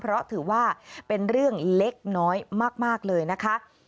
เพราะถือว่าเป็นเรื่องเล็กน้อยมากเลยนะคะ